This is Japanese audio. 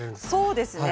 そうですね。